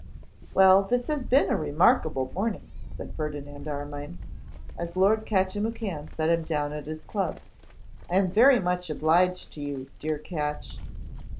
'Well, this has been a remarkable morning,' said Ferdinand Armine, as Lord Catchimwhocan set him down at his club. 'I am very much obliged to you, dear Catch!